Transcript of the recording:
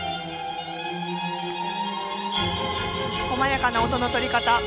こまやかな音の取り方